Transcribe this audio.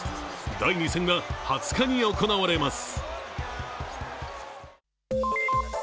第２戦が２０日に行われます。